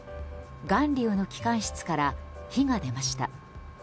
「がんりう」の機関室から火が出ました。